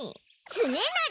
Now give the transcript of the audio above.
つねなり！